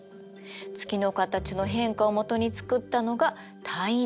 月の形の変化を基に作ったのが太陰暦。